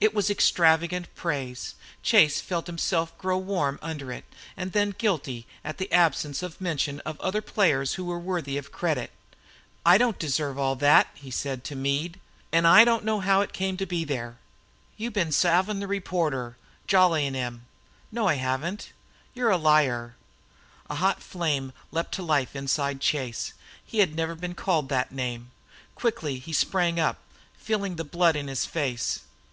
It was extravagant praise. Chase felt himself grew warm under it, and then guilty at the absence of mention of other players who were worthy of credit. "I don't deserve all that," said he to Meade, "and I don't know how it came to be there." "You've been salvin' the reporter, jollyin' him." "No, I haven't." "You 're a liar!" A hot flame leaped to life inside Chase. He had never been called that name. Quickly he sprang up, feeling the blood in his face.